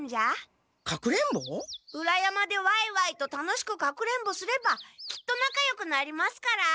裏山でワイワイと楽しくかくれんぼすればきっと仲よくなりますから。